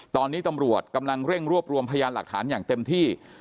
ตอนนี้ตำรวจกำลังเร่งรวบรวมพยานหลักฐานอย่างเต็มที่